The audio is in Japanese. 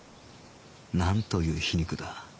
なんという皮肉だ